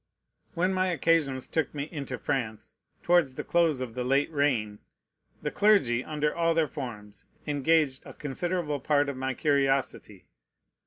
When my occasions took me into France, towards the close of the late reign, the clergy, under all their forms, engaged a considerable part of my curiosity.